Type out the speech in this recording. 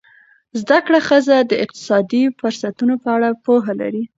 زده کړه ښځه د اقتصادي فرصتونو په اړه پوهه لري.